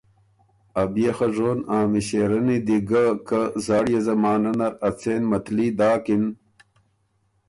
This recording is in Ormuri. ا بيې خه ژون ا مِݭېرنی دی ګۀ که زاړيې زمانۀ نر ا څېن متلي داکِن۔